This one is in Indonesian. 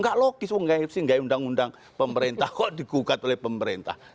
tidak logis nggak ada undang undang pemerintah kok digugat oleh pemerintah